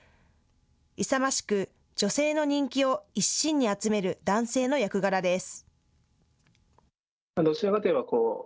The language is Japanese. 勇ましく女性の人気を一身に集める男性の役柄です。